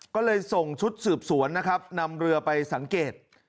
ก็เลยส่งชุดสืบสวนนะครับนำเรือไปสังเกต